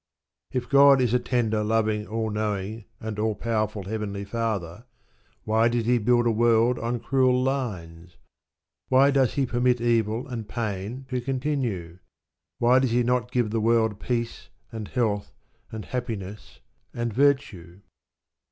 If God is a tender, loving, All knowing, and All powerful Heavenly Father, why did He build a world on cruel lines? Why does He permit evil and pain to continue? Why does He not give the world peace, and health, and happiness, and virtue?